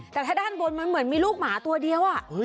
แต่ถ้าด้านบนมันเหมือนมีลูกหมาตัวเดียว